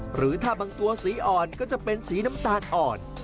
หรือถ้าบางตัวสีอ่อนก็จะเป็นสีน้ำตาลอ่อน